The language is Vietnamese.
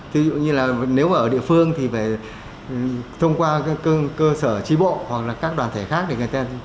thứ dụ như là nếu mà ở địa phương thì phải thông qua cơ sở trí bộ hoặc là các đoàn thể khác để người ta theo dõi